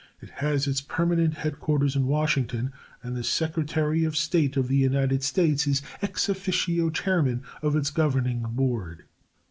It has its permanent headquarters in Washington, and the Secretary of State of the United States is ex officio chairman of its governing board.